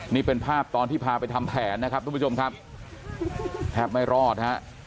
นี่เป็นภาพตอนที่พาไปทำแผนนะครับทุกผู้ชมครับแทบไม่รอดฮะ